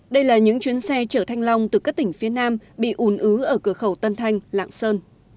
đây là những chuyến xe chở thanh long từ các tỉnh phía nam bị ùn ứ ở cửa khẩu tân thanh lạng sơn